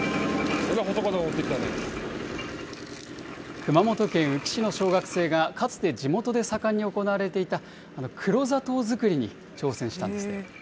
熊本県宇城市の小学生がかつて地元で盛んに行われていた黒砂糖作りに挑戦したんですって。